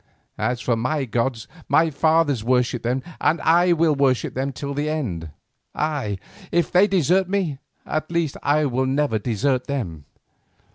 As for my gods, my fathers worshipped them and I will worship them till the end; ay, if they desert me, at least I will never desert them.